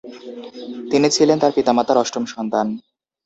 তিনি ছিলেন তার পিতামাতার অষ্টম সন্তান।